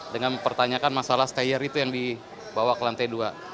dengan mempertanyakan masalah stayer itu yang dibawa ke lantai dua